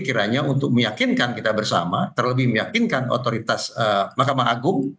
kiranya untuk meyakinkan kita bersama terlebih meyakinkan otoritas mahkamah agung